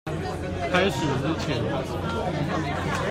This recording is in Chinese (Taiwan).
開始之前